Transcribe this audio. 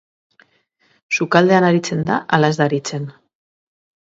Sukaldean aritzen da ala ez da aritzen?